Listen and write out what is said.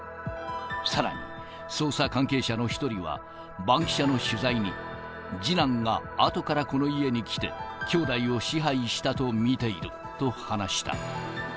さらに、捜査関係者の１人は、バンキシャの取材に、次男があとからこの家に来て、きょうだいを支配したと見ていると話した。